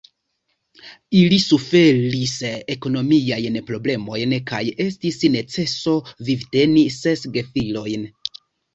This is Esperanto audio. Ili suferis ekonomiajn problemojn, kaj estis neceso vivteni ses gefilojn.